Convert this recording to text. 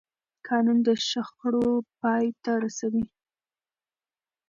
قانون د شخړو پای ته رسوي